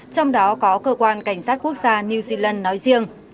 trong đó có cơ quan cảnh sát quốc gia new zealand nói riêng